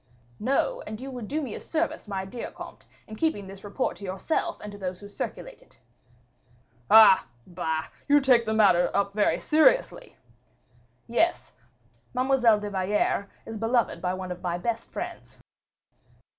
"No, and you will do me a service, my dear comte, in keeping this report to yourself and to those who circulate it." "Ah! bah! you take the matter up very seriously." "Yes; Mademoiselle de Valliere is beloved by one of my best friends."